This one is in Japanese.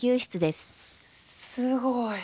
すごい。